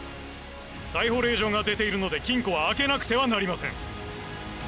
逮捕令状が出ているので金庫は開けなくてはなりません